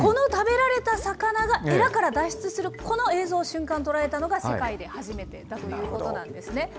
この食べられた魚がエラから脱出するこの映像、瞬間を捉えたのが、世界で初めてだということなんですね。